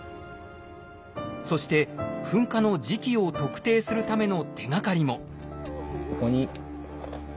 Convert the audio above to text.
そして噴火の時期を特定するための手がかりも。